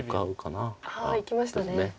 ああいきましたね。